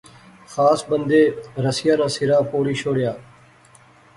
خاص بندے رسیا ناں سرا پوڑی شوڑیا